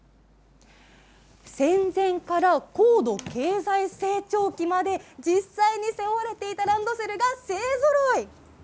戦前から高度経済成長期まで実際に背負われていたランドセルが勢ぞろい。